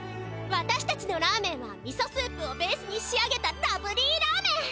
わたしたちのラーメンはみそスープをベースに仕上げたラブリー・ラーメン！